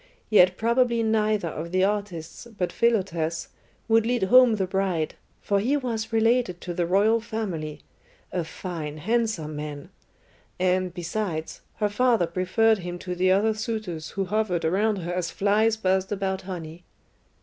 Yet probably neither of the artists, but Philotas, would lead home the bride, for he was related to the royal family a fine, handsome man; and, besides, her father preferred him to the other suitors who hovered around her as flies buzzed about honey.